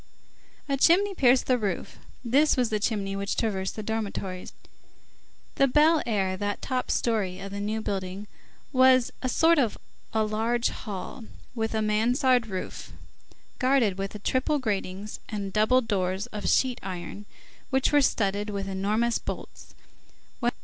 A chimney pierced the roof; this was the chimney which traversed the dormitories. The Bel Air, that top story of the New Building, was a sort of large hall, with a Mansard roof, guarded with triple gratings and double doors of sheet iron, which were studded with enormous bolts.